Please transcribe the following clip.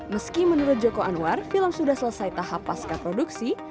meski menurut joko anwar film sudah selesai tahap pasca produksi